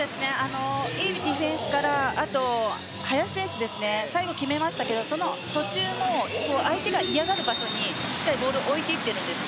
いいディフェンスから林選手、最後決めましたがその途中も相手が嫌がる場所にしっかりボールを置いていっているんです。